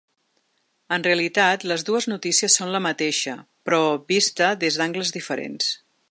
En realitat, les dues notícies són la mateixa, però vista des d’angles diferents.